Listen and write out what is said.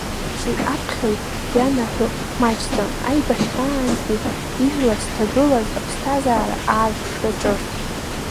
Уи аԥхьаҩ ианаҳәо маҷӡам аибашьраантәи ижәлар зҭагылаз аԥсҭазаара аарԥшраҿы.